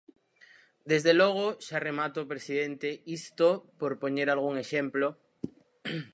Desde logo –xa remato, presidente–, isto, por poñer algún exemplo.